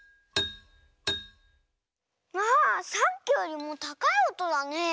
あさっきよりもたかいおとだね。